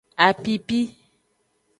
Apipi.